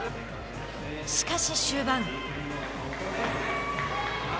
しかし、終盤。